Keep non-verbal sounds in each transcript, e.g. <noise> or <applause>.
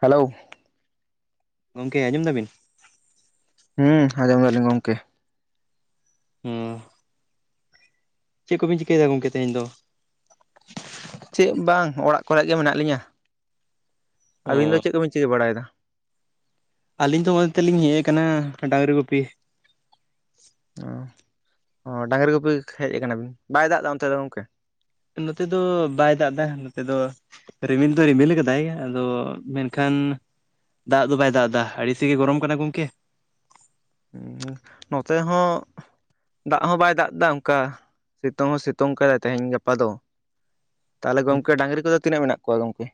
Hello. ᱜᱚᱝᱠᱮ ᱟᱸᱡᱚᱢ ᱫᱟᱵᱤᱱ? ᱦᱩᱸ ᱟᱸᱡᱚᱢ ᱫᱟᱞᱤᱧ ᱜᱚᱝᱠᱮ᱾ ᱚ ᱪᱮᱫ ᱠᱚᱵᱮᱱ ᱪᱤᱠᱟᱹᱭᱮᱫᱟ ᱜᱚᱝᱠᱮ ᱛᱮᱦᱮᱧ ᱫᱚ? ᱪᱮᱫ ᱵᱟᱝ ᱚᱲᱟᱜ ᱠᱚᱨᱮᱜ ᱜᱮ ᱢᱮᱱᱟᱜ ᱞᱤᱧᱟ ᱾ ᱟᱹᱵᱤᱱ ᱫᱚ ᱚ ᱪᱮᱫ ᱠᱚᱵᱤᱱ ᱪᱤᱠᱟᱹ ᱵᱟᱲᱟᱭᱮᱫᱟ? ᱟᱹᱞᱤᱧ ᱫᱚ ᱦᱚᱜᱼᱚ ᱱᱚᱛᱮ ᱛᱮ ᱞᱤᱧ ᱦᱮᱡ ᱟᱠᱟᱱᱟ ᱰᱟᱺᱜᱽᱨᱤ ᱜᱩᱯᱤ ᱾ ᱚ ᱚ ᱰᱟᱝᱨᱤ ᱜᱩᱯᱤ ᱦᱮᱡ ᱟᱠᱟᱱᱟ ᱵᱤᱱ ᱵᱟᱭ ᱫᱟᱜ ᱮᱫᱟ ᱚᱱᱛᱮ ᱫᱚ ᱜᱚᱢᱠᱮ? ᱱᱚᱛᱮ ᱫᱚ ᱵᱟᱭ ᱫᱟᱜ ᱮᱫᱟ, ᱱᱚᱛᱮ ᱫᱚ ᱨᱤᱢᱤᱞ ᱫᱚ ᱨᱤᱢᱤᱞ ᱟᱠᱟᱫᱟᱭ, ᱟᱫᱚ ᱢᱮᱱᱠᱷᱟᱱ ᱫᱟᱜ ᱫᱚ ᱵᱟᱭ ᱫᱟᱜ ᱮᱫᱟ ᱟᱲᱤᱥᱮᱜᱮ ᱜᱚᱨᱚᱢ ᱠᱟᱱᱟ ᱜᱚᱢᱠᱮ ᱾ ᱱᱚᱛᱮ ᱦᱚᱸ ᱫᱟᱜ ᱦᱚᱸ ᱵᱟᱭ ᱫᱟᱜ ᱮᱫᱟ ᱚᱱᱠᱟ ᱥᱤᱛᱩᱝ ᱦᱚᱸ ᱥᱤᱛᱩᱝ ᱟᱠᱟᱫᱟᱭ ᱛᱮᱦᱮᱧ ᱜᱟᱯᱟ ᱫᱚ ᱾ ᱛᱟᱦᱚᱞᱮ ᱜᱚᱢᱠᱮ ᱰᱟᱝᱨᱤ ᱠᱚᱫᱚ ᱛᱤᱱᱟᱹᱜ ᱢᱮᱱᱟᱜ ᱠᱚᱣᱟ ᱜᱚᱝᱠᱮ?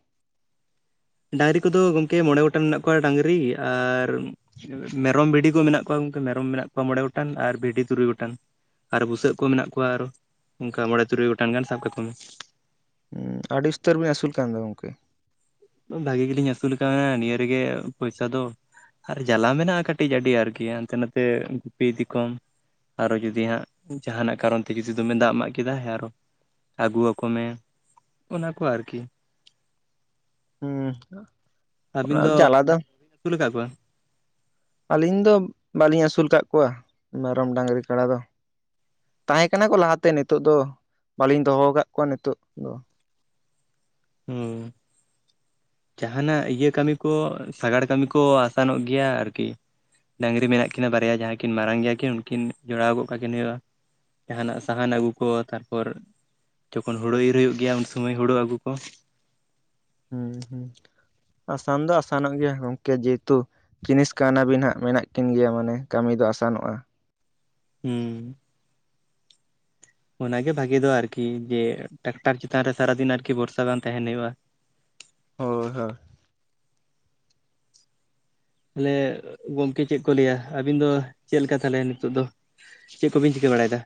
ᱰᱟᱝᱨᱤ ᱠᱚᱫᱚ ᱜᱚᱝᱠᱮ ᱢᱚᱬᱮ ᱜᱚᱴᱟᱝ ᱢᱮᱱᱟᱜ ᱠᱚᱣᱟ ᱰᱟᱝᱨᱤ ᱟᱨ ᱢᱮᱨᱚᱢ ᱵᱷᱤᱰᱤ ᱠᱚ ᱢᱮᱱᱟᱜ ᱠᱚᱣᱟ ᱜᱚᱝᱠᱮ, ᱢᱮᱨᱚᱢ ᱢᱮᱱᱟᱜ ᱠᱚᱣᱟ ᱢᱚᱬᱮ ᱜᱚᱴᱟᱝ ᱟᱨ ᱵᱷᱤᱰᱤ ᱛᱩᱨᱩᱭ ᱜᱚᱴᱟᱝ ᱾ ᱟᱨ ᱵᱩᱥᱟᱹᱜ ᱠᱚ ᱢᱮᱱᱟᱜ ᱠᱚᱣᱟ ᱟᱨᱚ ᱚᱱᱠᱟ ᱢᱚᱬᱮ ᱛᱩᱨᱩᱭ ᱜᱚᱴᱟᱝ ᱜᱟᱱ ᱥᱟᱵ ᱠᱟᱠᱚ ᱢᱮ ᱾ ᱦᱩᱸ ᱟᱹᱰᱤ ᱩᱥᱛᱟᱹᱨ ᱵᱮᱱ ᱟᱹᱥᱩᱞ ᱠᱟᱱ ᱫᱚ ᱜᱚᱝᱠᱮ ᱾ ᱵᱷᱟᱹᱜᱤ ᱜᱮᱞᱤᱧ ᱟᱹᱥᱩᱞ ᱠᱟᱣᱱᱟ ᱱᱤᱭᱟᱹ ᱨᱮᱜᱮ ᱯᱚᱭᱥᱟ ᱫᱚ ᱾ ᱟᱨ ᱡᱟᱞᱟ ᱢᱮᱱᱟᱜᱼᱟ ᱠᱟᱹᱴᱤᱡ ᱟᱹᱰᱤ ᱟᱨᱠᱤ ᱦᱟᱱᱛᱮ ᱱᱟᱛᱮ ᱜᱩᱯᱤ ᱤᱫᱤᱠᱚᱢ ᱾ ᱟᱨᱚ ᱡᱩᱫᱤ ᱦᱟᱸᱜ ᱡᱟᱦᱟᱱᱟᱜ ᱠᱟᱨᱚᱱ ᱛᱮ ᱡᱩᱫᱤ ᱫᱚᱢᱮ ᱫᱟᱜ ᱮᱢᱟᱜ ᱠᱮᱫᱟ ᱦᱮ ᱟᱨᱚ ᱟᱹᱜᱩᱣᱟᱠᱚ ᱢᱮ <inaudible> ᱚᱱᱟ ᱠᱚ ᱟᱨᱠᱤ ᱾ <inaudible> ᱚᱱᱟ ᱡᱟᱞᱟ ᱫᱚ <inaudible> ᱟᱹᱥᱩᱞ ᱟᱠᱟᱫ ᱠᱚᱣᱟ ᱟᱹᱞᱤᱧ ᱫᱚ ᱵᱟᱹᱞᱤᱧ ᱟᱹᱥᱩᱞ ᱟᱠᱟᱫ ᱠᱚᱣᱟ ᱢᱮᱨᱚᱢ ᱰᱟᱹᱝᱜᱨᱤ ᱠᱟᱰᱟ ᱫᱚ ᱾ ᱛᱟᱦᱮᱸ ᱠᱟᱱᱟ ᱠᱚ ᱞᱟᱦᱟ ᱛᱮ ᱱᱤᱛᱚᱜ ᱫᱚ ᱵᱟᱹᱞᱤᱧ ᱫᱚᱦᱚ ᱟᱠᱟᱫ ᱠᱚᱣᱟ ᱱᱤᱛᱚᱜ ᱦᱮᱸ ᱾ ᱡᱟᱦᱱᱟᱜ ᱤᱭᱟᱹ ᱠᱟᱹᱢᱤ ᱠᱚ ᱥᱟᱜᱟᱲ ᱠᱟᱹᱢᱤ ᱠᱚ ᱟᱥᱟᱱᱚᱜ ᱜᱮᱭᱟ ᱟᱨᱠᱤ ᱾ ᱰᱟᱹᱝᱨᱤ ᱢᱮᱱᱟᱜ ᱠᱤᱱᱟ ᱵᱟᱨᱭᱟ, ᱡᱟᱦᱟᱸᱭ ᱠᱤᱱ ᱢᱟᱨᱟᱝ ᱜᱮᱭᱟ ᱠᱤᱱ ᱩᱱᱠᱤᱱ ᱡᱚᱲᱟᱣ ᱜᱚᱫ ᱠᱟᱠᱤᱱ ᱦᱩᱭᱩᱜᱼᱟ ᱾ ᱡᱟᱦᱱᱟᱜ ᱥᱟᱦᱟᱱ ᱟᱹᱜᱩ ᱠᱚ ᱛᱟᱨᱯᱚᱨ ᱡᱚᱠᱷᱚᱱ ᱦᱳᱲᱳ ᱤᱨ ᱦᱩᱭᱩᱜ ᱜᱮᱭᱟ ᱩᱱ ᱥᱩᱢᱟᱹᱭ ᱦᱳᱲᱳ ᱟᱹᱜᱩ ᱠᱚ ᱾ ᱦᱮᱸ ᱦᱩᱸ <inaudible> ᱟᱥᱟᱱ ᱫᱚ ᱟᱥᱟᱱᱚᱜ ᱜᱮᱭᱟ ᱜᱚᱢᱠᱮ ᱡᱮᱦᱮᱛᱩ ᱡᱤᱱᱤᱥ ᱠᱟᱣᱱᱟᱵᱤᱱ ᱦᱟᱸᱜ ᱢᱮᱱᱟᱜ ᱠᱤᱱ ᱜᱮᱭᱟ ᱢᱟᱱᱮ ᱠᱟᱹᱢᱤ ᱫᱚ ᱟᱥᱟᱱᱚᱜᱼᱟ ᱾ ᱦᱮᱸ ᱦᱮᱸ ᱾ ᱚᱱᱟᱜᱮ ᱵᱷᱟᱜᱤ ᱫᱚ ᱟᱨᱠᱤ ᱡᱮ ᱴᱨᱟᱠᱴᱟᱨ ᱪᱮᱛᱟᱱ ᱨᱮ ᱥᱟᱨᱟᱫᱤᱱ ᱟᱨᱠᱤ ᱵᱚᱨᱥᱟ ᱵᱟᱝ ᱛᱟᱦᱮᱱ ᱦᱩᱭᱩᱜᱼᱟ ᱾ ᱦᱳᱭ ᱦᱳᱭ ᱾ ᱛᱟᱦᱞᱮ ᱜᱚᱝᱠᱮ ᱪᱮᱫ ᱠᱚ ᱞᱟᱹᱭᱟ ᱟᱵᱤᱱ ᱫᱚ ᱪᱮᱫ ᱞᱮᱠᱟ ᱛᱟᱦᱞᱮ ᱱᱤᱛᱚᱜ ᱫᱚ? ᱪᱮᱫ ᱠᱚᱵᱮᱱ ᱪᱤᱠᱟᱹ ᱵᱟᱲᱟᱭᱮᱫᱟ?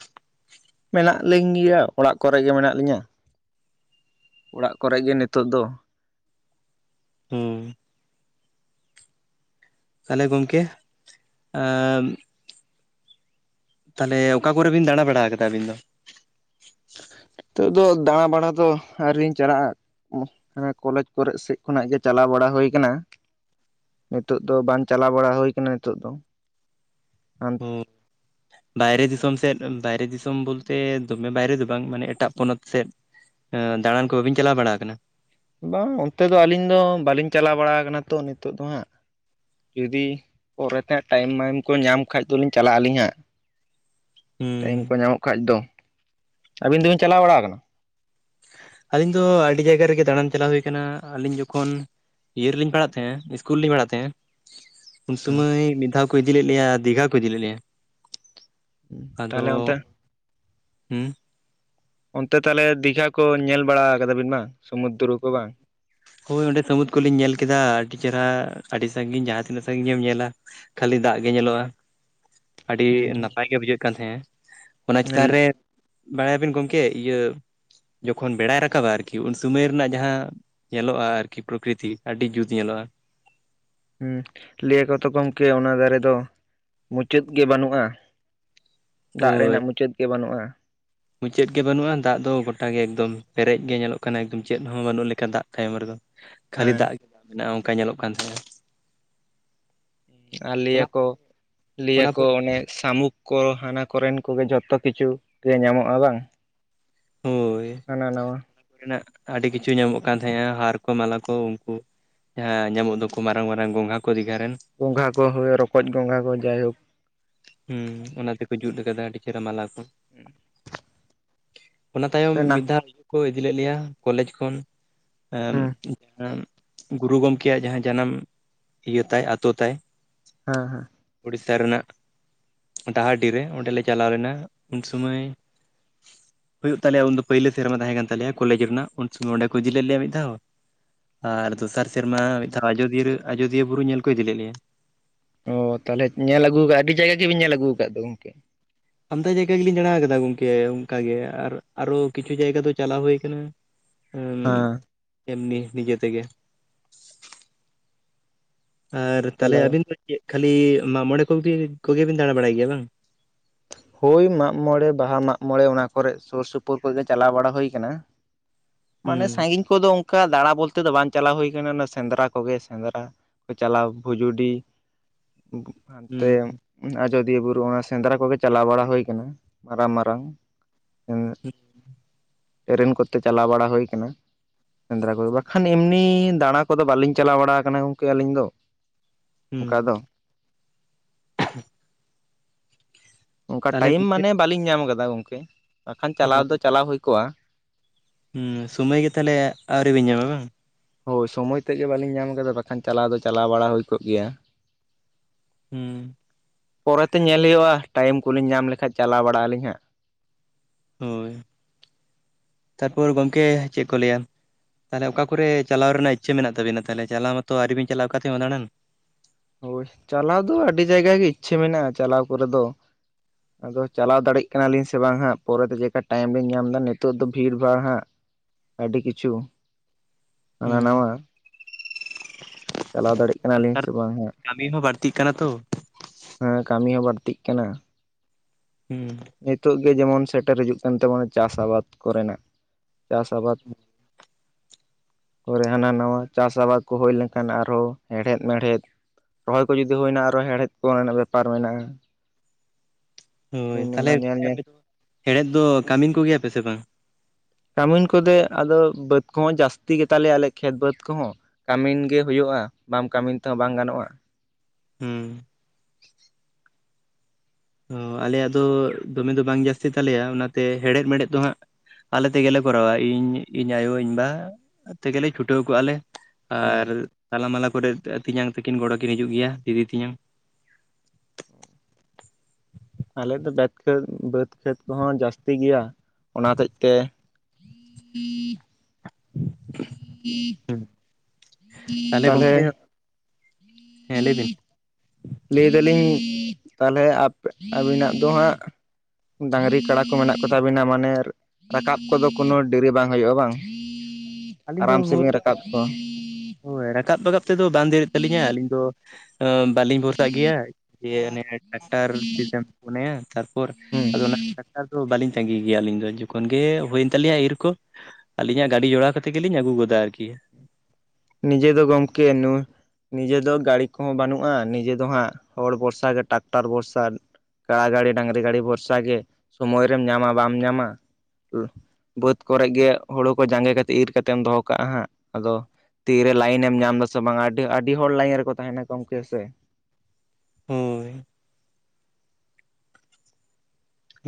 ᱢᱮᱱᱟᱜ ᱞᱤᱧ ᱜᱮᱭᱟ ᱚᱲᱟᱜ ᱠᱚᱨᱮ ᱜᱮ ᱢᱮᱱᱟᱜ ᱞᱤᱧᱟ ᱾ ᱚᱲᱟᱜ ᱠᱚᱨᱮᱜ ᱜᱮ ᱱᱤᱛᱚᱜ ᱫᱚ ᱾ ᱦᱩᱸ ᱾ ᱛᱟᱦᱚᱞᱮ ᱜᱚᱢᱠᱮ ᱮᱸᱻ ᱛᱟᱦᱚᱞᱮ ᱚᱠᱟ ᱠᱚᱨᱮ ᱵᱤᱱ ᱫᱟᱬᱟ ᱵᱟᱲᱟ ᱟᱠᱟᱫᱟ ᱟᱹᱵᱤᱱ ᱫᱚ? ᱱᱤᱛᱚᱜ ᱫᱚ ᱫᱟᱬᱟ ᱵᱟᱲᱟ ᱫᱚ ᱟᱹᱣᱨᱤ ᱞᱤᱧ ᱪᱟᱞᱟᱜᱼᱟ ᱾ ᱦᱚᱸ ᱠᱚᱞᱮᱡᱽ ᱠᱚᱨᱮᱜ ᱥᱮᱫ ᱠᱷᱚᱱᱟᱜ ᱜᱮ ᱪᱟᱞᱟᱣ ᱵᱟᱲᱟ ᱦᱩᱭᱩ ᱟᱠᱟᱱᱟ ᱾ ᱱᱤᱛᱚᱜ ᱫᱚ ᱵᱟᱝ ᱪᱟᱞᱟᱣ ᱵᱟᱲᱟ ᱦᱩᱭ ᱟᱠᱟᱱᱟ ᱱᱤᱛᱚᱜ ᱫᱚ ᱾ <inaudible> <unintelligible> ᱵᱟᱭᱨᱮ ᱫᱤᱥᱚᱢ ᱥᱮᱫ ᱵᱟᱭᱨᱮ ᱫᱤᱥᱚᱢ ᱵᱚᱞᱛᱮ ᱫᱚᱢᱮ ᱵᱟᱭᱨᱮ ᱫᱚ ᱵᱟᱝ ᱢᱟᱱᱮ ᱮᱴᱟᱜ ᱯᱚᱱᱚᱛ ᱥᱮᱫ ᱫᱟᱬᱟᱱ ᱠᱚ ᱵᱟᱹᱵᱤᱱ ᱪᱟᱞᱟᱣ ᱵᱟᱲᱟ ᱟᱠᱟᱱᱟ? ᱵᱟᱝ ᱚᱱᱛᱮ ᱫᱚ ᱟᱹᱞᱤᱧ ᱫᱚ ᱵᱟᱹᱞᱤᱧ ᱪᱟᱞᱟᱣ ᱵᱟᱲᱟ ᱟᱠᱟᱱᱟ ᱛᱚ ᱱᱤᱛᱳᱜ ᱫᱚ ᱦᱟᱸᱜ ᱾ ᱡᱩᱫᱤ ᱯᱚᱨᱮ ᱛᱮ ᱦᱟᱸᱜ ᱴᱟᱭᱤᱢ ᱢᱟᱭᱤᱢ ᱠᱚ ᱧᱟᱢ ᱠᱷᱟᱡ ᱫᱚᱞᱤᱧ ᱪᱟᱞᱟᱜ ᱟᱹᱞᱤᱧ ᱦᱟᱸᱜ ᱾ ᱴᱟᱭᱤᱢ ᱦᱩᱸ ᱠᱚ ᱧᱟᱢᱚ-ᱜ ᱠᱷᱟᱹᱭ ᱫᱚ ᱾ᱟᱹᱵᱤᱱ ᱫᱚᱵᱤᱱ ᱪᱟᱞᱟ-ᱣ ᱵᱟᱲᱟ ᱟᱠᱟᱱᱟ? ᱟᱹᱞᱤᱧ ᱫᱚ, ᱟᱹᱰᱤ ᱡᱟᱭᱜᱟ ᱨᱮᱜᱮ ᱫᱟᱬᱟᱱ ᱪᱟᱞᱟ-ᱣ ᱦᱩᱭ ᱟᱠᱟᱱᱟ᱾ ᱟᱹᱞᱤᱧ ᱡᱚᱠᱷᱚᱱ ᱤᱭᱟᱨ ᱨᱮᱞᱤᱧ ᱯᱟᱲᱟ-ᱜ ᱛᱟᱦᱮᱸ ᱱᱟ᱾ ᱤᱥᱩᱞ ᱨᱮᱞᱤᱧ ᱯᱟᱲᱟ-ᱜ ᱛᱟᱦᱮᱸᱫ ᱟ᱾ ᱩᱱ ᱦᱮᱸ ᱥᱚᱢᱚᱭ ᱢᱤᱫ ᱫᱷᱽᱟᱣ ᱠᱚ, ᱤᱫᱤ ᱞᱮᱫ ᱞᱮᱭᱟ᱾ ᱫᱤᱜᱷᱽᱟ ᱠᱚ ᱤᱫᱤ ᱞᱮᱫ ᱞᱮᱭᱟ᱾ ᱟᱫᱚ, ᱛᱟᱦᱚᱞᱮ ᱚᱱᱛᱮ ᱦᱮᱸ ᱚᱱᱛᱮ ᱛᱟᱦᱚᱞᱮ, ᱫᱤᱜᱷᱽᱟ ᱠᱚ ᱧᱮᱞ ᱵᱟᱲᱟ ᱟᱠᱟᱫᱟ ᱵᱤᱱ ᱵᱟᱝ᱾ ᱥᱩᱚᱢᱩᱫᱽᱨᱚ ᱠᱚ ᱵᱟᱝ? ᱦᱳᱭ, ᱚᱸᱰᱮ ᱥᱟᱹᱢᱩᱫᱽᱨᱚ ᱠᱚᱞᱤᱧ ᱧᱮᱞ ᱠᱮᱫᱟ ᱾ᱟᱹᱰᱤ ᱪᱮᱨᱦᱨᱟ᱾ ᱟᱹᱰᱤ ᱥᱟᱹᱜᱤᱧ ᱡᱟᱦᱟᱸ ᱛᱤᱱᱟᱹᱜ ᱥᱟᱺᱜᱤᱧ ᱜᱮᱢ ᱧᱮᱞᱟ᱾ ᱠᱷᱟᱹᱞᱤ ᱫᱟᱜ ᱜᱮ ᱧᱮᱞᱚᱜᱼᱟ᱾ ᱟᱹᱰᱤ ᱦᱩᱸ ᱱᱟᱯᱟᱭ ᱜᱮ, ᱵᱩᱡᱷᱟᱹᱜ ᱠᱟᱱ ᱛᱟᱦᱮᱸᱼᱟ᱾ ᱚᱱᱟ ᱪᱮᱛᱟᱱ ᱨᱮ ᱦᱩᱸ ᱵᱟᱲᱟᱭᱟᱵᱤᱱ ᱜᱚᱝᱠᱮ ᱾ᱤᱭᱟᱹ ᱡᱚᱠᱷᱚᱱ ᱵᱮᱲᱟᱭ ᱨᱟᱠᱟᱵᱟ᱾ ᱟᱨᱠᱤ ᱩᱱ ᱥᱩᱢᱚᱭ ᱨᱮᱱᱟ-ᱜ ᱡᱟᱦᱟᱸ ᱧᱮᱞᱚᱜᱼᱟ ᱾ᱟᱨᱠᱤ ᱯᱨᱚᱠᱨᱤᱛᱤ᱾ ᱟᱹᱰᱤ ᱡᱩᱛ ᱧᱮᱞᱚᱜᱼᱟ᱾ ᱦᱩᱸ᱾ ᱞᱟᱹᱭ ᱟᱠᱚ ᱛᱚ ᱜᱚᱝᱠᱮ ᱾ᱚᱱᱟ ᱫᱷᱟᱨᱮ ᱫᱚ, ᱢᱩᱪᱟᱹᱫ ᱜᱮ ᱵᱟᱹᱱᱩᱜᱼᱟ᱾ ᱫᱟᱜ ᱦᱳᱭ ᱨᱮᱱᱟ-ᱜ ᱢᱩᱪᱟᱹᱫ ᱜᱮ, ᱵᱟᱹᱱᱩᱜᱼᱟ᱾ ᱢᱩᱪᱟᱹᱫ ᱜᱮ ᱵᱟᱹᱱᱩᱜᱼᱟ ᱾ᱫᱟᱜ ᱫᱚ ᱜᱚᱴᱟ ᱜᱮ ᱮᱠᱫᱚᱢ, ᱯᱮᱸᱨᱮᱡ ᱜᱮ ᱧᱮᱞᱚ-ᱜ ᱠᱟᱱᱟ ᱾ᱮᱠᱫᱚᱢ ᱪᱮᱫ ᱦᱚᱸ ᱵᱟᱹᱱᱩᱜ ᱞᱮᱠᱟ᱾ ᱫᱟᱜ ᱛᱟᱭᱚᱢ ᱨᱮᱫᱚ᱾ ᱠᱷᱟᱹᱞᱤ ᱦᱮᱸ ᱫᱟᱜ ᱜᱮ ᱫ ᱢᱮᱱᱟᱜᱼᱟ᱾ ᱚᱱᱠᱟ ᱧᱮᱞᱚ-ᱜ ᱠᱟᱱ ᱛᱟᱦᱮᱸᱱᱟ᱾ ᱟᱨ, ᱞᱟᱹᱭᱟ ᱠᱚ᱾ ᱞᱟᱹᱭᱟ ᱚᱱᱟ ᱠᱚ᱾ ᱯᱚᱨᱮ ᱚᱱᱮ ᱥᱟᱢᱩᱠᱷ ᱠᱚ᱾ ᱦᱟᱱᱟ ᱠᱚᱨᱮᱱ ᱠᱚ-ᱜᱮ ᱡᱷᱚᱛᱛᱚ ᱠᱤᱪᱷᱩ ᱜᱮ, ᱧᱟᱢᱚᱜᱼᱟ᱾ ᱵᱟᱝ ᱦᱳᱭ᱾ ᱦᱟᱱᱟ - ᱱᱟᱶᱟ ᱨᱮᱱᱟ-ᱜ ᱟᱹᱰᱤ ᱠᱤᱪᱷᱩ ᱧᱟᱢᱚ-ᱜ ᱠᱟᱱ ᱛᱟᱦᱮᱸᱱᱟ ᱾ᱦᱟᱨ ᱠᱚ, ᱢᱟᱞᱟ ᱠᱚ, ᱩᱱᱠᱩ ᱡᱟᱦᱟᱸ ᱧᱟᱢᱚ-ᱜ ᱫᱚ-ᱠᱚ ᱢᱟᱨᱟᱝ - ᱢᱟᱨᱟᱝ ᱜᱚᱸᱜᱷᱟ ᱠᱚ᱾ ᱫᱤᱜᱷᱟ ᱨᱮᱱ᱾ ᱜᱚᱸᱜᱷᱟ ᱠᱚ, ᱨᱚᱠᱚᱡ ᱜᱚᱸᱜᱷᱟ ᱠᱚ, ᱡᱟᱭ ᱦᱳᱠ ᱦᱩᱸ ᱚᱱᱟ ᱛᱮᱠᱚ ᱡᱩᱛ ᱟᱠᱟᱫᱟ᱾ ᱟᱹᱰᱤ ᱪᱮᱦᱨᱟ᱾ ᱢᱟᱞᱟ ᱠᱚ᱾ ᱦᱩᱸ ᱚᱱᱟ ᱛᱟᱭᱚᱢ᱾ ᱢᱤᱫ ᱫᱷᱟᱹᱣ ᱟᱞᱮ ᱠᱚ, ᱤᱫᱤ ᱞᱮᱫ ᱞᱮᱭᱟ ᱾ᱠᱚᱞᱮᱡᱽ ᱠᱷᱚᱱ᱾ ᱮᱸᱻ ᱦᱮᱸ ᱜᱩᱨᱩ ᱜᱚᱝᱠᱮᱭᱟᱼᱜ ᱡᱟᱦᱟᱸ ᱡᱟᱱᱟᱢ, ᱤᱭᱟᱹ ᱛᱟᱭ, ᱟᱹᱛᱩ ᱛᱟᱭ᱾ ᱦᱮᱸ - ᱦᱮᱸ᱾ ᱩᱲᱤᱥᱥᱟ ᱨᱮᱱᱟ-ᱜ ᱰᱟᱸᱦᱟᱨᱰᱤ ᱨᱮ, ᱚᱸᱰᱮ ᱞᱮ ᱪᱟᱞᱟ-ᱣ ᱞᱮᱱᱟ ᱾ᱩᱱ ᱥᱢᱟᱹᱭ ᱦᱩᱭᱩ-ᱜ ᱛᱟᱞᱮᱭᱟ᱾ ᱩᱱᱫᱚ ᱯᱟᱹᱭᱞᱟᱹ ᱥᱮᱸᱨᱢᱟ ᱾ᱛᱟᱦᱮᱸ ᱠᱟᱱ ᱛᱟᱞᱮᱭᱟ᱾ ᱠᱚᱞᱮᱡᱽ ᱨᱮᱱᱟ-ᱜ ᱩᱱ ᱥᱚᱢᱚᱭ ᱚᱸᱰᱮ ᱠᱚ ᱤᱫᱤ ᱞᱮᱫ ᱞᱮᱭᱟ ᱾ᱢᱤᱫ ᱫᱷᱟᱹᱣ᱾ ᱟᱨ ᱫᱚᱥᱟᱨ ᱥᱮᱸᱨᱢᱟ᱾ ᱢᱤᱫᱽᱫᱷᱟᱹᱣ ᱟᱡᱚᱫᱤᱭᱟᱹ- ᱟᱡᱚᱫᱤᱭᱟᱹ ᱵᱩᱨᱩ ᱧᱮᱞ ᱠᱚ, ᱤᱫᱤ ᱞᱮᱫ ᱞᱮᱭᱟ᱾ ᱚᱸᱻ ᱛᱟᱦᱟᱞᱮ ᱧᱮᱞ ᱟᱹᱜᱩ ᱠᱟᱜᱼᱟ ᱾ᱟᱹᱰᱤ ᱡᱟᱭᱜᱟ, ᱜᱮᱵᱮᱱ ᱧᱮᱞ ᱟᱹᱜᱩ ᱟᱠᱟᱫ ᱾ᱫᱚ ᱜᱚᱝᱠᱮ᱾ ᱟᱢᱫᱟ ᱡᱟᱭᱜᱟ ᱜᱮᱞᱤᱧ ᱫᱟᱲᱟ ᱟᱠᱟᱫᱟ ᱜᱚᱝᱠᱮ ᱾ᱚᱱᱠᱟ ᱜᱮ, ᱟᱨ ᱟᱨᱚ ᱠᱤᱪᱷᱩ ᱡᱟᱭᱜᱟ ᱫᱚ, ᱪᱟᱞᱟ-ᱣ ᱦᱩᱭ ᱟᱠᱟᱱᱟ᱾ ᱦᱟᱻ ᱮᱢᱱᱤ ᱾ᱱᱤᱡᱮ ᱛᱮᱜᱮ ᱟᱨ᱾ ᱛᱟᱦᱟᱞᱮ ᱪᱟᱞᱟᱣ ᱟᱹᱵᱤᱱ ᱫᱚ ᱪᱮᱫ, ᱠᱷᱟᱹᱞᱤ ᱢᱟᱜᱽ ᱢᱚᱬᱮᱸ ᱠᱚ-ᱜᱮ, ᱠᱚ-ᱜᱮ ᱵᱤᱱ ᱫᱟᱲᱟ ᱵᱟᱲᱟ᱾ᱭ ᱜᱮᱭᱟ᱾ ᱵᱟᱝ? ᱦᱳᱭ ᱢᱟᱜᱽ ᱢᱚᱬᱮᱸ, ᱵᱟᱦᱟ ᱢᱟᱜᱽ ᱢᱚᱬᱮᱸ, ᱚᱱᱟ ᱠᱚᱨᱮ ᱥᱩᱨ ᱥᱩᱯᱩᱨ ᱠᱚ ᱜᱮ, ᱪᱟᱞᱟ-ᱣ ᱵᱟᱲᱟ ᱾ᱦᱩᱭ ᱟᱠᱟᱱᱟ ᱢᱟᱱᱮ ᱦᱩᱸ ᱥᱟᱹᱜᱤᱧ ᱠᱚ-ᱫᱚ ᱚᱱᱠᱟ ᱫᱟᱲᱟ ᱵᱚᱞᱛᱮ ᱫᱚ᱾ ᱵᱟᱝ ᱪᱟᱞᱟ-ᱣ ᱦᱩᱭ ᱠᱟᱱᱟ᱾ ᱚᱱᱟ ᱥᱮᱸᱫᱽᱨᱟ ᱠᱚᱜᱮ, ᱥᱮᱸᱫᱽᱨᱟ᱾ ᱥᱮᱸᱫᱽᱨᱟ ᱠᱚ ᱪᱟᱞᱟ-ᱣ ᱵᱷᱩᱡᱩᱰᱤ ᱦᱟᱱᱛᱮ᱾ ᱦᱩᱸ ᱟᱡᱚᱫᱤᱭᱟᱹ ᱵᱩᱨᱩ ᱚᱱᱟ ᱥᱮᱸᱫᱽᱨᱟ᱾ ᱠᱚᱜᱮ ᱪᱟᱞᱟ-ᱣ ᱵᱟᱲᱟ ᱦᱩᱭ ᱟᱠᱟᱱᱟ᱾ ᱢᱟᱨᱟᱝ - ᱢᱟᱨᱟᱝ <unintelligible> ᱴᱮᱨᱮᱱ ᱠᱚᱛᱮ, ᱪᱟᱞᱟ-ᱣ ᱵᱟᱲᱟ ᱦᱩᱭ ᱟᱠᱟᱱᱟ᱾ ᱥᱮᱸᱫᱽᱨᱟ ᱠᱚ ᱫᱚ ᱵᱟᱠᱷᱟᱱ ᱮᱢᱱᱤ, ᱫᱟᱲᱟ ᱠᱚᱼᱫᱚ ᱵᱟᱹᱞᱤᱧ ᱪᱟᱞᱟ-ᱣ ᱵᱟᱲᱟ ᱟᱠᱟᱱᱟ᱾ ᱜᱚᱝᱠᱮ ᱟᱹᱞᱤᱧ ᱫᱚ᱾ ᱦᱩᱸ ᱚᱠᱟ ᱫᱚ <inaudible> ᱚᱱᱠᱟ ᱛᱟᱦᱚᱞᱮ ᱴᱟᱭᱤᱢ ᱜᱚᱝᱠᱮ ᱢᱟᱱᱮ ᱵᱟᱹᱞᱤᱧ ᱧᱟᱢ ᱠᱟᱫᱟ᱾ ᱜᱚᱝᱠᱮ ᱵᱟᱠᱷᱟᱱ ᱚ ᱪᱟᱞᱟ-ᱣ ᱫᱚ ᱪᱟᱞᱟ-ᱣ ᱦᱩᱭ ᱠᱚᱜᱼᱟ᱾ ᱦᱩᱸ ᱥᱳᱢᱚᱭ ᱜᱮ ᱛᱟᱦᱟᱞᱮ ᱟᱹᱣᱨᱤ ᱵᱤᱱ ᱧᱟᱢᱟ ᱵᱟᱝ ᱦᱳᱭ ᱥᱚᱢᱚᱭ ᱛᱮᱫᱜᱮ ᱵᱟᱹᱞᱤᱧ ᱧᱟᱢ ᱠᱟᱫᱟ ᱵᱟᱠᱷᱟᱱ ᱪᱟᱞᱟᱣ ᱫᱚ ᱪᱟᱞᱟᱣ ᱵᱟᱲᱟ ᱦᱩᱭ ᱠᱚᱜ ᱜᱮᱭᱟ ᱦᱩᱸ ᱯᱚᱨᱮᱛᱮ ᱧᱮᱞ ᱦᱩᱭᱩᱜᱼᱟ ᱴᱟᱭᱤᱢ ᱠᱚᱞᱤᱧ ᱧᱟᱢ ᱞᱮᱠᱷᱟᱡ ᱪᱟᱞᱟᱣ ᱵᱟᱲᱟᱜ ᱟᱹᱞᱤᱧ ᱦᱟᱸᱜ ᱦᱳᱭ <inaudible> ᱛᱟᱨᱯᱚᱨ ᱜᱚᱝᱠᱮ ᱪᱮᱫ ᱠᱚ ᱞᱟᱹᱭᱟ ᱛᱟᱦᱟᱞᱮ ᱚᱠᱟ ᱠᱚᱨᱮ ᱪᱟᱞᱟᱣ ᱨᱮᱱᱟᱜ ᱤᱪᱪᱷᱟᱹ ᱢᱮᱱᱟᱜ ᱛᱟᱹᱵᱤᱱᱟ? ᱛᱟᱦᱟᱞᱮ ᱪᱟᱞᱟᱣ ᱢᱟᱛᱚ ᱟᱹᱣᱨᱤ ᱵᱤᱱ ᱪᱟᱞᱟᱜᱼᱟ ᱚᱠᱟᱛᱮ ᱦᱚᱸ ᱫᱟᱲᱟᱱ᱾ ᱦᱳᱭ ᱪᱟᱞᱟᱣ ᱫᱚ ᱟᱹᱰᱤ ᱡᱟᱭᱜᱟ ᱜᱮ ᱤᱪᱪᱷᱟᱹ ᱢᱮᱱᱟᱜᱼᱟ ᱪᱟᱞᱟᱣ ᱠᱚᱨᱮ ᱫᱚ ᱟᱫᱚ ᱪᱟᱞᱟᱣ ᱫᱟᱲᱮᱸᱜ ᱠᱟᱱᱟᱞᱤᱧ ᱥᱮ ᱵᱟᱝ ᱦᱟᱸᱜ ᱯᱚᱨᱮᱛᱮ ᱪᱮᱠᱟ ᱴᱟᱭᱤᱢ ᱞᱤᱧ ᱧᱟᱢ ᱫᱟ ᱱᱤᱛᱳᱜ ᱫᱚ ᱵᱷᱤᱲ ᱵᱷᱟᱸᱲ ᱦᱟᱸᱜ ᱟᱹᱰᱤ ᱠᱤᱪᱷᱩ ᱦᱟᱱᱟ ᱦᱩᱸ ᱱᱟᱣᱟ ᱪᱟᱞᱟᱣ ᱫᱟᱲᱮᱸᱴᱜ ᱠᱟᱱᱟ ᱞᱤᱧ ᱱᱮᱛᱟᱨ ᱥᱮ ᱫᱚ ᱵᱟᱝ ᱦᱟᱸᱜ ᱠᱟᱹᱢᱤ ᱦᱚᱸ ᱵᱟᱹᱲᱛᱤᱜ ᱠᱟᱱᱟ ᱛᱚ ᱦᱮᱸ ᱠᱟᱹᱢᱤ ᱦᱚᱸ ᱵᱟᱹᱲᱛᱤᱜ ᱠᱟᱱᱟ ᱦᱩᱸ ᱱᱤᱛᱳᱜ ᱜᱮ ᱡᱮᱢᱚᱱ ᱥᱮᱴᱮᱨ ᱦᱤᱡᱩᱜ ᱠᱟᱱ ᱛᱟᱢᱟ ᱪᱟᱥ ᱟᱵᱟᱫ ᱠᱚᱨᱮᱱᱟᱜ ᱪᱟᱥ ᱟᱵᱟᱫ ᱠᱚᱨᱮ ᱦᱟᱱᱟ ᱱᱟᱣᱟ ᱪᱟᱥ ᱟᱵᱟᱫᱽ ᱠᱚ ᱦᱳᱭ ᱞᱮᱱᱠᱷᱟᱱ ᱟᱨᱦᱚᱸ ᱦᱮᱲᱦᱮᱫ ᱢᱮᱲᱦᱮᱫ ᱨᱚᱦᱚᱭ ᱠᱚ ᱡᱩᱫᱤ ᱦᱳᱭ ᱮᱱᱟ ᱟᱨᱚ ᱦᱮᱲᱦᱮᱫ ᱠᱚᱨᱮᱱᱟᱜ ᱵᱮᱯᱟᱨ ᱢᱮᱱᱟᱜᱼᱟ᱾ ᱦᱳᱭ ᱤᱧ ᱛᱟᱞᱦᱮ ᱚᱱᱟ ᱧᱮᱞ ᱜᱚᱝᱠᱮ ᱧᱮᱞ ᱟᱯᱮ ᱫᱚ ᱦᱮᱲᱦᱮᱫ ᱫᱚ ᱠᱟᱹᱢᱤᱱ ᱠᱚ ᱜᱮᱭᱟ ᱯᱮ ᱥᱮ ᱵᱟᱝ? ᱠᱟᱹᱢᱤᱱ ᱠᱚᱜᱮ ᱟᱫᱚ ᱵᱟᱹᱫᱽ ᱠᱚᱦᱚᱸ ᱡᱟᱹᱥᱛᱤ ᱜᱮᱛᱟᱞᱮᱭᱟ ᱟᱞᱮ ᱠᱷᱮᱛ ᱵᱟᱹᱫᱽ ᱠᱚᱦᱚᱸ ᱠᱟᱹᱢᱤᱱ ᱜᱮ ᱦᱳᱭᱳᱜᱼᱟ ᱵᱟᱢ ᱠᱟᱹᱢᱤᱱ ᱛᱮᱦᱚᱸ ᱵᱟᱝ ᱜᱟᱱᱚᱜᱼᱟ᱾ ᱦᱩᱸ ᱚ ᱟᱞᱮᱭᱟᱜ ᱫᱚ ᱫᱚᱢᱮ ᱫᱚ ᱵᱟᱝ ᱡᱟᱹᱥᱛᱤ ᱛᱟᱞᱮᱭᱟ ᱚᱱᱟᱛᱮ ᱦᱮᱲᱦᱮᱫ ᱢᱮᱲᱦᱮᱫ ᱫᱚ ᱦᱟᱸᱜ ᱟᱞᱮ ᱛᱮᱜᱮᱞᱮ ᱠᱚᱨᱟᱣᱟ, ᱤᱧ ᱤᱧ ᱟᱭᱳ ᱤᱧᱵᱟ ᱛᱮᱜᱮᱞᱮ ᱪᱷᱩᱴᱟᱹᱣ ᱠᱚᱜᱼᱟᱞᱮ ᱦᱩᱸ ᱟᱨ ᱛᱟᱞᱟᱢᱟᱞᱟ ᱠᱚᱨᱮ ᱛᱤᱧᱟᱝ ᱛᱟᱹᱠᱤᱱ ᱜᱚᱲᱟ ᱠᱤᱱ ᱦᱤᱡᱩᱜ ᱜᱮᱭᱟ ᱫᱤᱫᱤ ᱛᱤᱧᱟᱝ। ᱟᱞᱮ ᱫᱚ ᱵᱮᱫ ᱠᱷᱟᱹᱛ ᱵᱟᱹᱫᱽ ᱠᱷᱮᱛ ᱠᱚᱦᱚᱸ ᱡᱟᱹᱥᱛᱤ ᱜᱮᱭᱟ ᱚᱱᱟ ᱦᱚᱛᱮᱡ ᱛᱮ ᱛᱟᱦᱚᱞᱮ ᱛᱟᱞᱦᱮ ᱜᱚᱝᱠᱮ ᱦᱮᱸ ᱞᱟᱹᱭ ᱵᱤᱱ ᱞᱟᱹᱭ ᱫᱟᱞᱤᱧ ᱛᱟᱞᱦᱮ ᱟᱯᱮ ᱟᱹᱵᱤᱱᱟᱜ ᱫᱚ ᱦᱟᱸᱜ ᱰᱟᱝᱨᱤ ᱠᱟᱲᱟ ᱠᱚ ᱢᱮᱱᱟᱜ ᱠᱚ ᱛᱟᱵᱤᱱᱟ ᱢᱟᱱᱮ ᱨᱟᱠᱟᱵ ᱠᱚᱫᱚ ᱠᱳᱱᱳ ᱰᱮᱨᱤ ᱵᱟᱝ ᱦᱳᱭᱳᱜᱼᱟ ᱵᱟᱝ? ᱟᱹᱞᱤᱧ ᱫᱚ ᱟᱨᱟᱢ ᱦᱳᱭ ᱥᱮᱵᱤᱱ ᱨᱟᱠᱟᱵ ᱠᱚᱣᱟ᱾ ᱦᱳᱭ ᱨᱟᱠᱟᱵ ᱵᱟᱠᱟᱵ ᱛᱮᱫᱚ ᱵᱟᱝ ᱫᱮᱨᱤᱜ ᱛᱟᱹᱞᱤᱧᱟ ᱟᱹᱞᱤᱧ ᱫᱚ ᱵᱟᱹᱞᱤᱧ ᱵᱷᱚᱨᱥᱟᱜ ᱜᱮᱭᱟ ᱫᱤᱭᱮ ᱚᱱᱮ ᱴᱨᱟᱠᱴᱟᱨ ᱛᱤᱥ ᱮᱢ ᱯᱷᱳᱱ ᱟᱭᱟ ᱛᱟᱨᱯᱚᱨ ᱦᱩᱸ ᱟᱫᱚ ᱚᱱᱟ ᱴᱟᱠᱴᱟᱨ ᱫᱚ ᱵᱟᱹᱞᱤᱧ ᱛᱟᱸᱜᱤ ᱜᱮᱭᱟ ᱟᱹᱞᱤᱧ ᱫᱚ ᱡᱚᱠᱷᱚᱱ ᱜᱮ ᱦᱳᱭ ᱮᱱ ᱛᱟᱞᱮᱭᱟ ᱤᱨ ᱠᱚ ᱟᱹᱞᱤᱧᱟᱜ ᱜᱟᱹᱰᱤ ᱡᱚᱲᱟᱣ ᱠᱟᱛᱮ ᱜᱮᱞᱤᱧ ᱟᱹᱜᱩ ᱜᱚᱫᱟ ᱟᱨᱠᱤ ᱱᱤᱡᱮ ᱫᱚ ᱜᱚᱢᱠᱮ ᱱᱚᱣᱟ ᱱᱤᱡᱮ ᱫᱚ ᱜᱟᱹᱲᱤ ᱠᱚᱦᱚᱸ ᱵᱟᱹᱱᱩᱜᱼᱟ ᱱᱤᱡᱮ ᱫᱚ ᱦᱟᱸᱜ ᱦᱚᱲ ᱵᱷᱚᱨᱥᱟ ᱜᱮ ᱴᱟᱠᱴᱟᱨ ᱵᱷᱚᱨᱥᱟ ᱠᱟᱲᱟ ᱜᱟᱹᱲᱤ ᱰᱟᱝᱨᱤ ᱜᱟᱹᱰᱤ ᱵᱷᱚᱨᱥᱟ ᱜᱮ ᱥᱚᱢᱚᱭ ᱨᱮᱢ ᱧᱟᱢᱟ ᱵᱟᱢ ᱧᱟᱢᱟ ᱵᱟᱹᱫᱽ ᱠᱚᱨᱮ ᱜᱮ ᱦᱳᱲᱳ ᱠᱚ ᱡᱟᱸᱜᱮ ᱠᱟᱛᱮ ᱤᱨ ᱠᱟᱛᱮᱢ ᱫᱚᱦᱚ ᱠᱟᱜᱼᱟ ᱦᱟᱸᱜ ᱟᱫᱚ ᱛᱤᱨᱮ ᱞᱟᱭᱮᱱᱮᱢ ᱧᱟᱢ ᱫᱟᱥᱮ ᱵᱟᱝᱟ ᱟᱹᱰᱤ ᱟᱹᱰᱤ ᱦᱚᱲ ᱞᱟᱭᱮᱱ ᱨᱮᱠᱚ ᱛᱟᱦᱮᱱᱟ ᱜᱚᱢᱠᱮ ᱥᱮ ᱦᱳᱭ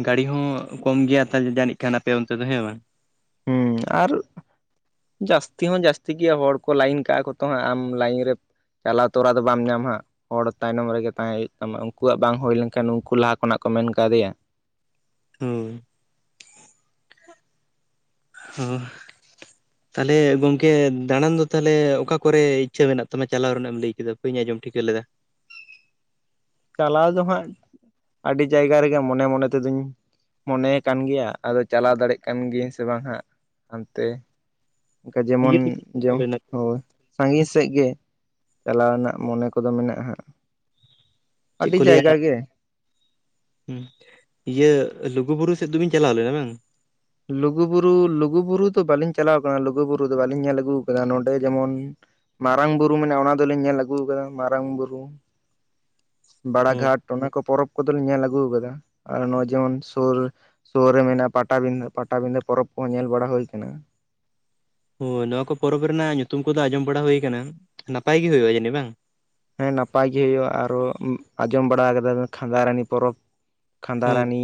ᱜᱟᱹᱲᱤ ᱦᱚᱸ ᱠᱚᱢ ᱜᱮᱭᱟ <unintelligible> ᱡᱟᱹᱱᱤᱡ ᱠᱟᱱ ᱟᱯᱮ ᱚᱱᱛᱮ ᱫᱚ ᱦᱮᱸ ᱵᱟᱝ? ᱦᱩᱸ ᱟᱨ ᱡᱟᱹᱥᱛᱤ ᱦᱚᱸ ᱡᱟᱹᱥᱛᱤ ᱜᱮᱭᱟ ᱦᱚᱲ ᱠᱚ ᱞᱟᱭᱤᱱ ᱠᱟᱜᱼᱟ ᱠᱚ ᱛᱚ ᱦᱟᱸᱜ ᱟᱢ ᱞᱟᱭᱤᱱ ᱨᱮᱢ ᱪᱟᱞᱟᱣ ᱛᱚᱨᱟ ᱫᱚ ᱵᱟᱢ ᱧᱟᱢᱟ ᱦᱟᱸᱜ ᱦᱚᱲ ᱛᱟᱭᱱᱚᱢ ᱨᱮᱜᱮ ᱛᱟᱦᱮᱸ ᱦᱳᱭᱳᱜ ᱛᱟᱢᱟ ᱩᱱᱠᱩᱣᱟᱜ ᱵᱟᱝ ᱦᱳᱭ ᱞᱮᱱᱠᱷᱟᱱ ᱩᱱᱠᱩ ᱞᱟᱦᱟ ᱠᱷᱚᱱᱟᱜ ᱠᱚ ᱢᱮᱱ ᱠᱟᱫᱮᱭᱟ ᱦᱩᱸ ᱾ ᱦᱚ ᱾ ᱛᱟᱦᱞᱮ ᱜᱚᱢᱠᱮ, ᱫᱟᱬᱟᱱ ᱫᱚ ᱛᱟᱦᱚᱞᱮ ᱚᱠᱟ ᱠᱚᱨᱮ ᱤᱪᱪᱷᱟᱹ ᱢᱮᱱᱟᱜ ᱛᱟᱢᱟ ᱪᱟᱞᱟᱣ ᱨᱮᱱᱟᱜ ᱮᱢ ᱞᱟᱹᱭ ᱠᱮᱫᱟ? ᱵᱟᱹᱧ ᱟᱸᱡᱚᱢ ᱴᱷᱤᱠᱟᱹ ᱞᱮᱫᱟ! ᱪᱟᱞᱟᱣ ᱫᱚ ᱦᱟᱸᱜ ᱟᱹᱰᱤ ᱡᱟᱭᱜᱟ ᱨᱮᱜᱮ ᱢᱚᱱᱮ ᱢᱚᱱᱮ ᱛᱮᱫᱚᱧ ᱢᱚᱱᱮᱭ ᱠᱟᱱ ᱜᱮᱭᱟ ᱟᱫᱚ ᱪᱟᱞᱟᱣ ᱫᱟᱲᱮᱜ ᱠᱟᱱ ᱜᱤᱭᱟᱹᱧ ᱥᱮ ᱵᱟᱝ ᱦᱟᱸᱜ ᱦᱟᱱᱛᱮ ᱾ ᱚᱝᱠᱟ ᱤᱭᱟᱹ ᱡᱮᱢᱚᱱ ᱫᱚᱵᱤᱱ ᱪᱟᱞᱟᱣ ᱡᱚ, ᱞᱮᱱᱟ ᱦᱳᱭ! ᱥᱟᱺᱜᱤᱧ ᱥᱮᱜ ᱜᱮ ᱪᱟᱞᱟᱣ ᱨᱮᱱᱟᱜ ᱢᱚᱱᱮ ᱠᱚᱫᱚ ᱢᱮᱱᱟᱜᱼᱟ ᱦᱟᱸᱜ ᱟᱹᱰᱤ ᱡᱟᱭᱜᱟ ᱜᱮ ᱾ ᱦᱩᱸ, ᱤᱭᱟᱹ ᱞᱩᱜᱩ ᱵᱩᱨᱩ ᱥᱮᱫ ᱫᱚᱵᱤᱱ ᱪᱟᱞᱟᱣ ᱞᱮᱱᱟ ᱵᱟᱝ? ᱞᱩᱜᱩᱵᱩᱨᱩ ᱞᱩᱜᱩᱵᱩᱨᱩ ᱫᱚ ᱵᱟᱹᱞᱤᱧ ᱪᱟᱞᱟᱣ ᱠᱟᱱᱟ, ᱞᱩᱜᱩᱵᱩᱨᱩ ᱫᱚ ᱵᱟᱞᱤᱧ ᱧᱮᱞ ᱟᱹᱜᱩ ᱟᱠᱟᱫᱟ ᱱᱚᱰᱮ ᱡᱮᱢᱚᱱ ᱢᱟᱨᱟᱝ ᱵᱩᱨᱩ ᱢᱮᱱᱟᱭᱟ ᱚᱱᱟ ᱫᱚᱞᱤᱧ ᱧᱮᱞ ᱟᱹᱜᱩ ᱟᱠᱟᱫᱟ, ᱢᱟᱨᱟᱝ ᱵᱩᱨᱩ ᱾ ᱦᱮᱸ ᱵᱟᱲᱟᱜᱷᱟᱴ ᱚᱱᱟᱠᱚ ᱯᱚᱨᱚᱵᱽ ᱠᱚᱫᱚᱞᱤᱧ ᱧᱮᱞ ᱟᱹᱜᱩ ᱟᱠᱟᱫᱟ ᱟᱨ ᱱᱚᱜ ᱚᱭ ᱡᱮᱢᱚᱱ ᱥᱳᱨ ᱥᱳᱨ ᱨᱮ ᱢᱮᱱᱟᱜᱼᱟ ᱯᱟᱴᱟᱵᱤᱸᱫᱷᱟᱹ ᱯᱟᱴᱟᱵᱤᱫᱷᱟᱹ ᱯᱚᱨᱚᱵᱽ ᱠᱚᱦᱚᱸ ᱧᱮᱞ ᱵᱟᱲᱟ ᱦᱳᱭ ᱠᱟᱱᱟ ᱾ ᱦᱳᱭ, ᱱᱚᱶᱟ ᱠᱚ ᱯᱚᱨᱚᱵᱽ ᱨᱮᱭᱟᱜ ᱧᱩᱛᱩᱢ ᱠᱚᱫᱚ ᱟᱸᱡᱚᱢ ᱵᱟᱲᱟ ᱦᱳᱭ ᱟᱠᱟᱱᱟ, ᱱᱟᱯᱟᱭ ᱜᱮ ᱦᱳᱭᱳᱜᱼᱟ ᱡᱟᱹᱱᱤᱡ ᱵᱟᱝ? ᱦᱮᱸ, ᱱᱟᱯᱟᱭ ᱜᱮ ᱦᱳᱭᱳᱜᱼᱟ ᱟᱨᱚ ᱟᱸᱡᱚᱢ ᱵᱟᱲᱟ ᱠᱟᱫᱟ ᱵᱮ ᱠᱷᱟᱸᱫᱟᱨᱟᱱᱤ ᱯᱚᱨᱚᱵᱽ ᱦᱳᱭ ᱠᱷᱟᱸᱫᱟᱨᱟᱱᱤ,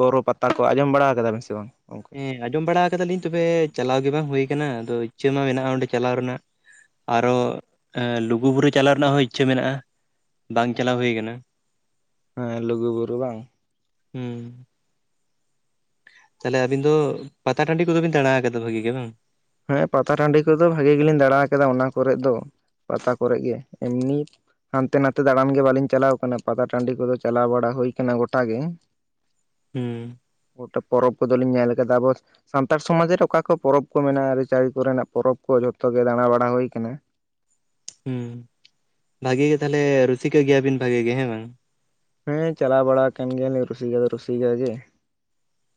ᱵᱚᱨᱚ ᱯᱟᱛᱟ ᱠᱚ ᱟᱸᱡᱚᱢ ᱵᱟᱲᱟ ᱠᱟᱫᱟ ᱵᱤᱱ ᱥᱮ ᱵᱟᱝ? ᱦᱮᱸ, ᱟᱸᱡᱚᱢ ᱵᱟᱲᱟ ᱠᱟᱫᱟᱞᱤᱧ ᱛᱚᱵᱮ ᱪᱟᱞᱟᱣ ᱜᱮ ᱵᱟᱝ ᱦᱳᱭ ᱠᱟᱱᱟ ᱟᱫᱚ ᱤᱪᱪᱟᱹ ᱢᱟ ᱢᱮᱱᱟᱜᱼᱟ ᱚᱸᱰᱮ ᱪᱟᱞᱟᱣ ᱨᱮᱱᱟᱜ ᱟᱨᱚ ᱮᱸ ᱞᱩᱜᱩᱵᱩᱨᱩ ᱪᱟᱞᱟᱣ ᱨᱮᱱᱟᱜ ᱦᱚᱸ ᱤᱪᱪᱷᱟᱹ ᱢᱮᱱᱟᱜᱼᱟ, ᱵᱟᱝ ᱪᱟᱞᱟᱣ ᱦᱳᱭ ᱠᱟᱱᱟ ᱾ ᱦᱮᱸ, ᱞᱩᱜᱩ ᱵᱩᱨᱩ ᱵᱟᱝ! ᱦᱩᱸ ᱾ ᱛᱟᱦᱚᱞᱮ ᱟᱵᱤᱱ ᱫᱚ ᱯᱟᱛᱟ ᱴᱟᱺᱰᱤ ᱠᱚᱫᱚ ᱵᱤᱱ ᱫᱟᱬᱟ ᱟᱠᱟᱫᱟ ᱵᱷᱟᱜᱤ ᱜᱮ ᱵᱟᱝ? ᱦᱮᱸ ᱯᱟᱛᱟ ᱴᱟᱺᱰᱤ ᱠᱚᱫᱚ ᱵᱷᱟᱜᱮ ᱜᱮᱞᱤᱧ ᱫᱟᱬᱟ ᱟᱠᱟᱫᱟ ᱚᱱᱟ ᱠᱚᱨᱮᱜ ᱫᱚ, ᱯᱟᱛᱟ ᱠᱚᱨᱮᱜ ᱜᱮ ᱮᱢᱱᱤ ᱦᱟᱱᱛᱮ ᱱᱟᱛᱮ ᱫᱟᱬᱟᱱ ᱜᱮ ᱵᱟᱹᱞᱤᱧ ᱪᱟᱞᱟᱣ ᱠᱟᱱᱟ, ᱯᱟᱛᱟ ᱴᱟᱺᱰᱤ ᱠᱚᱫᱚ ᱪᱟᱞᱟᱣ ᱵᱟᱲᱟ ᱦᱩᱭ ᱠᱟᱱᱟ ᱜᱚᱴᱟ ᱜᱮ ᱾ <inaudible> ᱦᱩᱸ ᱾ ᱜᱚᱴᱟ ᱯᱚᱨᱚᱵᱽ ᱠᱚᱫᱚ ᱞᱤᱧ ᱧᱮᱞ ᱠᱟᱫᱟ ᱟᱵᱚ ᱥᱟᱱᱛᱟᱲ ᱥᱚᱢᱟᱡᱽ ᱨᱮ ᱚᱠᱟ ᱠᱚ ᱯᱚᱨᱚᱵᱽ ᱠᱚ ᱢᱮᱱᱟᱜᱼᱟ ᱟᱹᱨᱤᱪᱟᱹᱞᱤ ᱠᱚᱨᱮᱱᱟᱜ ᱯᱚᱨᱚᱵᱽ ᱠᱚ ᱡᱷᱚᱛᱚ ᱜᱮ ᱫᱟᱬᱟᱵᱟᱲᱟ ᱦᱩᱭ ᱟᱠᱟᱱᱟ ᱾ ᱦᱩᱸ, ᱵᱷᱟᱜᱮ ᱜᱮ ᱛᱟᱦᱚᱞᱮ ᱨᱩᱥᱤᱠᱟ ᱜᱮᱭᱟ ᱵᱤᱱ ᱵᱷᱟᱜᱮ ᱜᱮ, ᱦᱮᱸ ᱵᱟᱝ! ᱦᱮᱸ, ᱪᱟᱞᱟᱣ ᱵᱟᱲᱟ ᱟᱠᱟᱱ ᱜᱮᱭᱟ ᱞᱤᱧ ᱨᱩᱥᱤᱠᱟ ᱫᱚ ᱨᱩᱥᱤᱠᱟ ᱜᱮ ᱾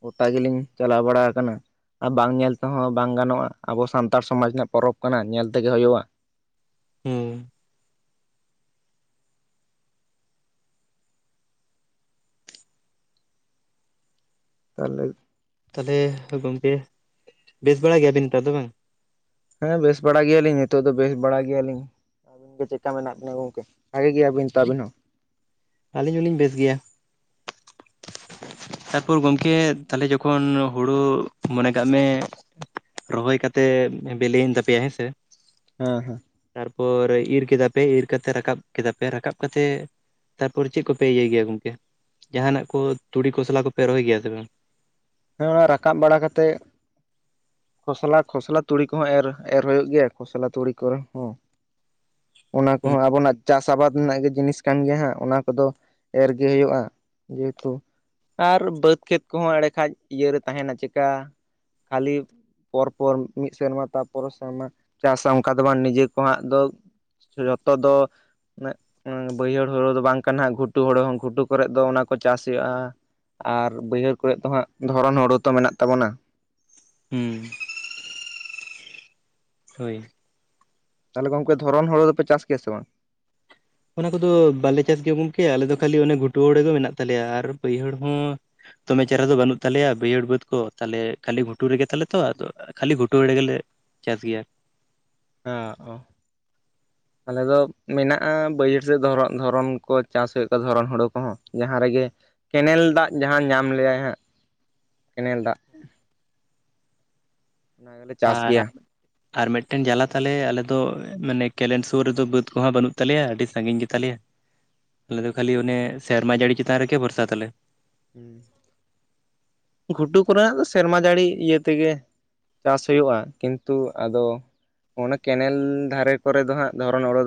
ᱜᱚᱴᱟ ᱜᱮ ᱞᱤᱧ ᱪᱟᱞᱟᱣ ᱵᱟᱲᱟ ᱟᱠᱟᱱᱟ‌ ᱾ ᱟ ᱵᱟᱝ ᱧᱮᱞ ᱛᱮᱦᱚᱸ ᱵᱟᱝ ᱜᱟᱱᱚᱜᱼᱟ ᱟᱵᱚ ᱥᱟᱱᱛᱟᱲ ᱥᱚᱢᱟᱡᱽ ᱨᱮᱱᱟᱜ ᱯᱚᱨᱚᱵᱽ ᱠᱟᱱᱟ ᱧᱮᱞ ᱛᱮᱜᱮ ᱦᱩᱭᱩᱜᱼᱟ ᱾ ᱦᱩᱸ ᱛᱟᱦᱚᱞᱮ ᱛᱟᱦᱚᱞᱮ ᱜᱚᱢᱠᱮ ᱵᱮᱥ ᱵᱟᱲᱟ ᱜᱮᱭᱟ ᱵᱤᱱ ᱛᱚ ᱟᱫᱚ ᱵᱟᱝ? ᱦᱮᱸ ᱵᱮᱥ ᱵᱟᱲᱟ ᱜᱮᱭᱟ ᱞᱤᱧ, ᱱᱤᱛᱚᱜ ᱫᱚ ᱵᱮᱥ ᱵᱟᱲᱟ ᱜᱮᱭᱟ ᱞᱤᱧ ᱾ ᱟᱹᱵᱤᱱ ᱜᱮ ᱪᱮᱫᱠᱟ ᱢᱮᱱᱟᱜ ᱵᱤᱱᱟ ᱜᱚᱝᱠᱮ, ᱵᱷᱟᱜᱮ ᱜᱮᱭᱟ ᱵᱤᱱ ᱛᱚ ᱟᱹᱵᱤᱱ ᱦᱚᱸ? ᱟᱹᱞᱤᱧ ᱦᱚᱸᱞᱤᱧ ᱵᱮᱥ ᱜᱮᱭᱟ᱾ <inaudible> ᱛᱟᱨᱯᱚᱨ ᱜᱚᱢᱠᱮ ᱛᱟᱦᱚᱞᱮ ᱡᱚᱠᱷᱚᱱ ᱦᱩᱲᱩ ᱢᱚᱱᱮ ᱠᱟᱜ ᱢᱮ ᱨᱚᱦᱚᱭ ᱠᱟᱛᱮ ᱵᱮᱞᱮᱭᱮᱱ ᱛᱟᱯᱮᱭᱟ, ᱦᱮᱸ ᱥᱮ ᱾ ᱦᱮᱸ, ᱦᱮᱸ ᱾ ᱛᱟᱨᱯᱚᱨ ᱤᱨ ᱠᱮᱫᱟ ᱯᱮ, ᱤᱨ ᱠᱟᱛᱮ ᱨᱟᱠᱟᱵ ᱠᱮᱫᱟ ᱯᱮ, ᱨᱟᱠᱟᱵ ᱠᱟᱛᱮ ᱛᱟᱨᱯᱚᱨ ᱪᱮᱜ ᱠᱚᱯᱮ ᱤᱭᱟᱹᱭ ᱜᱮᱭᱟ ᱜᱚᱝᱠᱮ? ᱡᱟᱦᱟᱱᱟᱜ ᱠᱚ ᱛᱩᱲᱤ ᱠᱚᱥᱞᱟ ᱠᱚᱯᱮ ᱨᱚᱦᱚᱭ ᱜᱮᱭᱟ ᱥᱮ ᱵᱟᱝ? ᱦᱮᱸ, ᱚᱱᱟ ᱨᱟᱠᱟᱵ ᱵᱟᱲᱟ ᱠᱟᱛᱮᱜ ᱠᱷᱚᱥᱞᱟ ᱠᱷᱚᱥᱞᱟ ᱛᱩᱲᱤ ᱠᱚᱦᱚᱸ ᱮᱨ ᱮᱨ ᱦᱩᱭᱩᱜ ᱜᱮᱭᱟ ᱠᱷᱚᱥᱞᱟ ᱛᱩᱲᱤ ᱠᱚᱨᱮ ᱦᱚᱸ, ᱚᱱᱟ ᱦᱩᱸ ᱠᱚᱦᱚᱸ ᱟᱵᱚᱱᱟᱜ? ᱪᱟᱥ ᱟᱵᱟᱫ ᱨᱮᱱᱟᱜ ᱜᱮ ᱡᱤᱱᱤᱥ ᱠᱟᱱ ᱜᱮᱭᱟ ᱦᱟᱸᱜ ᱚᱱᱟ ᱠᱚᱫᱚ ᱮᱨ ᱜᱮ ᱦᱩᱭᱩᱜᱼᱟ ᱡᱮᱦᱮᱛᱩ, ᱟᱨ ᱵᱟᱹᱫᱽ ᱠᱷᱮᱛ ᱠᱚᱦᱚᱸ ᱮᱲᱰᱮ ᱠᱷᱟᱡ ᱤᱭᱟ ᱨᱮ ᱛᱟᱦᱮᱱᱟ ᱪᱮᱠᱟ ᱠᱷᱟᱹᱞᱤ? ᱯᱚᱨ ᱯᱚᱨ ᱢᱤᱫ ᱥᱮᱨᱢᱟ ᱛᱟᱨᱯᱚᱨᱮ ᱥᱮᱨᱢᱟ ᱪᱟᱥᱟ ᱚᱱᱠᱟ ᱫᱚ ᱵᱟᱝ ᱱᱤᱡᱮ ᱠᱚ ᱦᱟᱸᱜ ᱫᱚ᱾ ᱡᱚᱛᱚ ᱫᱚ, ᱢᱮᱜ ᱵᱟᱹᱭᱦᱟᱹᱲ ᱦᱩᱲᱩ ᱫᱚ ᱵᱟᱝ ᱠᱟᱱᱟ ᱜᱷᱩᱴᱩ ᱦᱩᱲᱩ ᱦᱚᱸ ᱜᱷᱩᱴᱩ ᱠᱚᱨᱮᱫ ᱫᱚ ᱚᱱᱟ ᱠᱚ ᱪᱟᱥ ᱦᱩᱭᱩᱜᱼᱟ᱾ ᱟᱨ ᱵᱟᱹᱭᱦᱟᱹᱲ ᱠᱚᱨᱮᱫ ᱫᱚ ᱦᱟᱸᱜ ᱫᱷᱚᱨᱚᱱ ᱦᱩᱲᱩ ᱛᱚ ᱢᱮᱱᱟᱜ ᱛᱟᱵᱚᱱᱟ᱾ ᱦᱩᱸ, ᱦᱳᱭ᱾ ᱛᱟᱦᱚᱞᱮ ᱜᱚᱝᱠᱮ ᱫᱷᱚᱨᱚᱱ ᱦᱳᱲᱳ ᱫᱚᱯᱮ ᱪᱟᱥ ᱜᱮᱭᱟ ᱥᱮ ᱵᱟᱝ? ᱚᱱᱟ ᱠᱚᱫᱚ ᱵᱟᱞᱮ ᱪᱟᱥ ᱜᱮᱭᱟ ᱜᱚᱝᱠᱮ ᱟᱞᱮ ᱫᱚ ᱠᱷᱟᱹᱞᱤ ᱚᱱᱮ ᱜᱷᱩᱴᱩ ᱦᱩᱲᱩ ᱜᱮ ᱢᱮᱱᱟᱜ ᱛᱟᱞᱮᱭᱟ ᱟᱨ ᱵᱟᱹᱭᱦᱟᱹᱲ ᱦᱚᱸ, ᱫᱚᱢᱮ ᱪᱮᱦᱨᱟ ᱫᱚ ᱵᱟᱹᱱᱩᱜ ᱛᱟᱞᱮᱭᱟ ᱵᱟᱹᱭᱦᱟᱹᱲ ᱵᱟᱹᱫᱽ ᱠᱚ ᱛᱟᱦᱞᱮ ᱠᱷᱟᱹᱞᱤ ᱜᱷᱩᱴᱩ ᱨᱮᱜᱮ ᱛᱟᱞᱮ ᱛᱚ ᱟᱫᱚ, ᱠᱷᱟᱹᱞᱤ ᱜᱷᱩᱴᱩ ᱨᱮ ᱜᱮᱞᱮ ᱪᱟᱥ ᱜᱮᱭᱟ᱾ <unintelligible> ᱟᱞᱮ ᱫᱚ ᱢᱮᱱᱟᱜᱼᱟ ᱵᱟᱹᱭᱦᱟᱹᱲ ᱥᱮᱫ ᱫᱷᱚᱨᱚ ᱫᱷᱚᱨᱚᱱ ᱠᱚ ᱪᱟᱥ ᱦᱩᱭᱩᱜ ᱠᱟᱱᱟ ᱫᱷᱚᱨᱚᱢ ᱦᱳᱲᱳ ᱠᱚᱦᱚᱸ ᱡᱟᱦᱟᱸ ᱨᱮᱜᱮ, ᱠᱮᱱᱮᱞ ᱫᱟᱜ ᱡᱟᱦᱟᱸ ᱧᱟᱢ ᱞᱮᱭᱟᱭ ᱦᱟᱸᱜ ᱠᱮᱱᱮᱞ ᱫᱟᱜ᱾ ᱚᱱᱟ ᱜᱮᱞᱮ ᱪᱟᱥ ᱜᱮᱭᱟ ᱟᱨ, ᱟᱨ ᱢᱤᱫᱴᱮᱱ ᱡᱟᱞᱟ ᱛᱟᱞᱮ ᱟᱞᱮ ᱫᱚ ᱢᱟᱱᱮ ᱠᱮᱞᱮᱱ ᱥᱩᱨ ᱨᱮᱫᱚ ᱵᱟᱹᱫ ᱠᱚᱦᱚᱸ ᱵᱟᱹᱱᱩᱜ ᱛᱟᱞᱮᱭᱟ ᱟᱹᱰᱤ ᱥᱟᱺᱜᱤᱧ ᱜᱮᱛᱟ ᱞᱮᱭᱟ᱾ <inaudible> ᱟᱞᱮ ᱫᱚ ᱠᱷᱟᱹᱞᱤ ᱚᱱᱮ ᱥᱮᱨᱢᱟ ᱡᱟᱹᱲᱤ ᱪᱮᱛᱟᱱ ᱨᱮᱜᱮ ᱵᱷᱚᱨᱥᱟ ᱛᱟᱞᱮ᱾ ᱜᱷᱩᱴᱩ ᱠᱚᱨᱮᱱᱟᱜ ᱫᱚ ᱥᱮᱨᱢᱟ ᱡᱟᱹᱲᱤ ᱤᱭᱟᱹ ᱛᱮᱜᱮ? ᱪᱟᱥ ᱦᱩᱭᱩᱜᱼᱟ ᱠᱤᱱᱛᱩ ᱟᱫᱚ ᱚᱱᱟ ᱠᱮᱱᱮᱞ ᱫᱷᱟᱨᱮ ᱠᱚᱨᱮ ᱫᱚ ᱦᱟᱸᱜ ᱫᱷᱚᱨᱚᱱ ᱦᱳᱲᱳ,